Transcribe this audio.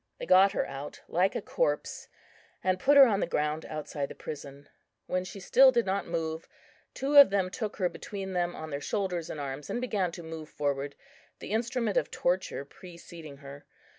They got her out like a corpse, and put her on the ground outside the prison. When she still did not move, two of them took her between them on their shoulders and arms, and began to move forward, the instrument of torture preceding her.